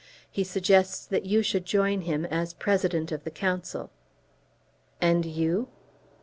He suggests that you should join him as President of the Council." "And you?"